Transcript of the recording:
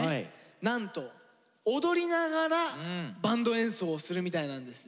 なんと踊りながらバンド演奏をするみたいなんですよ。